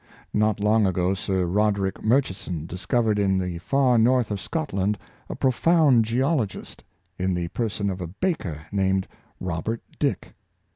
Not long ago Sir Roderick Murchison discovered in the far north of Scotland a profound geologist, in the per son of a baker named Robert Dick.